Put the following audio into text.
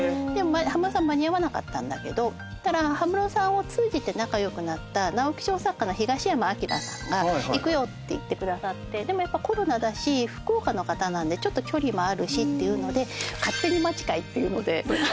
葉室さん間に合わなかったんだけど葉室さんを通じて仲良くなった直木賞作家の東山彰良さんが行くよって言ってくださってでもやっぱコロナだし福岡の方なんでちょっと距離もあるしっていうので勝手に待ち会っていうので。